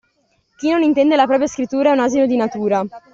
Chi non intende la propria scrittura è un asino di natura.